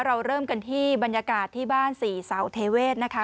เราเริ่มกันที่บรรยากาศที่บ้านสี่เสาเทเวศนะคะ